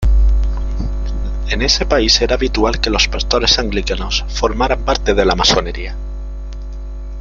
En ese país era habitual que los pastores anglicanos formaran parte de la masonería.